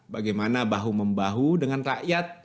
bagaimana bahu membahu dengan rakyat